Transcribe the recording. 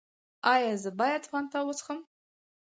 ایا زه باید فانټا وڅښم؟